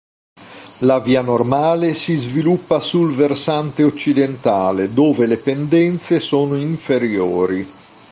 La via normale si sviluppa sul versante occidentale, dove le pendenze sono inferiori.